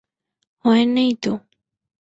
হয় নাই তো!